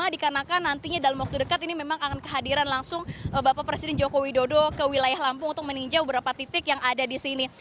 dikarenakan nantinya dalam waktu dekat ini memang akan kehadiran langsung bapak presiden joko widodo ke wilayah lampung untuk meninjau beberapa titik yang ada di sini